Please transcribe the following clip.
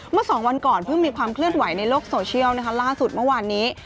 เมื่อสองวันก่อนเพิ่งมีความเคลื่อนไหวในโลกโซเชียลนะคะล่าสุดเมื่อวานนี้